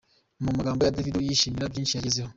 Amagambo ya Davido yishimira byinshi yagezeho.